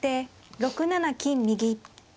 ６七金右。